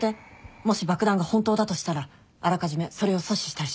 もし爆弾が本当だとしたらあらかじめそれを阻止したいし。